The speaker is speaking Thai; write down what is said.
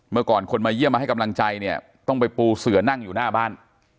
เมื่อก่อนคนมาเยี่ยมมาให้กำลังใจเนี่ยต้องไปปูเสือนั่งอยู่หน้าบ้าน